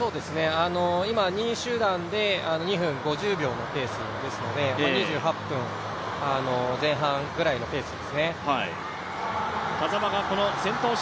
今、２位集団で２分５０秒のペースですので、２８分、前半ぐらいのペースですね。